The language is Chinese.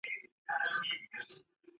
此后琉球国开始逐渐兴盛起来。